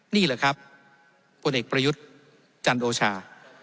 นี่เหรอครับบนเอกประยุทธ์จันทร์โอชา